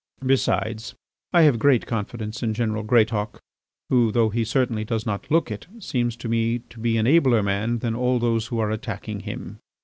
Besides I have great confidence in general Greatauk, who, though he certainly does not look it, seems to me to be an abler man than all those who are attacking him."